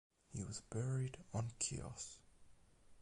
He was buried on Chios.